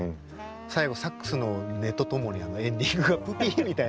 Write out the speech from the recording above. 最後サックスの音とともにエンディングが「プピ」みたいな。